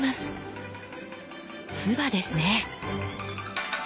鐔ですね。